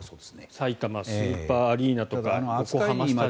さいたまスーパーアリーナとか横浜スタジアム。